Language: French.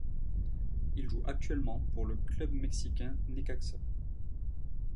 Il joue actuellement pour le club mexicain Necaxa.